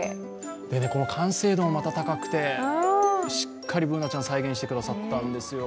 完成度がまた高くて、しっかりＢｏｏｎａちゃんを再現してくださったんですよ。